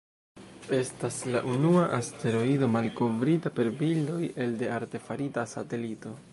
Estas la unua asteroido malkovrita per bildoj elde artefarita satelito.